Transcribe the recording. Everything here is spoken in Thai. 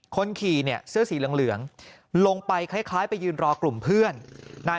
คนขี่เนี่ยเสื้อสีเหลืองลงไปคล้ายไปยืนรอกลุ่มเพื่อนนาย